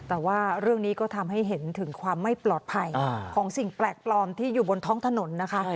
แต่ว่าเรื่องนี้ก็ทำให้เห็นถึงความไม่ปลอดภัยของสิ่งแปลกปลอมที่อยู่บนท้องถนนนะคะ